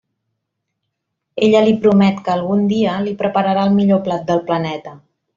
Ella li promet que algun dia li prepararà el millor plat del planeta.